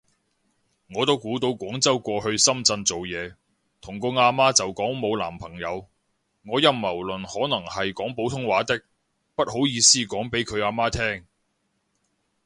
我都估到廣州過去深圳做嘢，同個啊媽就講冇男朋友。，我陰謀論可能係講普通話的，不好意思講畀佢啊媽聼